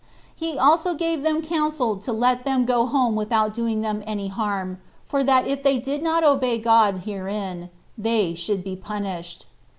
He also gave them counsel to let them go home without doing them any harm, for that if they did not obey God herein, they should be punished.